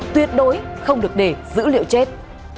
tuyệt đối không được để dữ liệu chết